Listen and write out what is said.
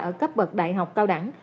ở cấp bậc đại học cao đẳng